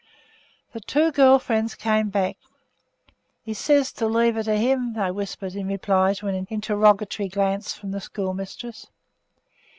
The two girl friends came back. 'He sez to leave her to him,' they whispered, in reply to an interrogatory glance from the schoolmistress.